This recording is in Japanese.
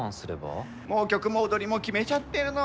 もう曲も踊りも決めちゃってるの。